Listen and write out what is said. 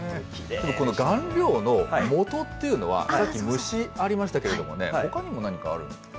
顔料のもとっていうのは、さっき、虫ありましたけどもね、ほかにもなんかあるんですか。